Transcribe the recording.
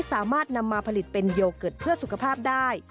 สามารถนำมาผลิตเป็นโยเกิร์ตเพื่อสุขภาพได้